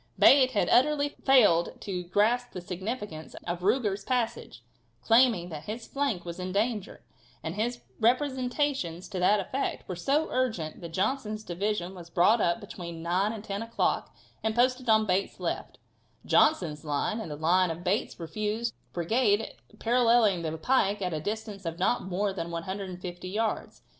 Bate had utterly failed to grasp the significance of Ruger's passage, claiming that his flank was in danger, and his representations to that effect were so urgent that Johnson's division was brought up between 9 and 10 o'clock and posted on Bate's left, Johnson's line and the line of Bate's refused brigade paralleling the pike at a distance of not more than 150 yards.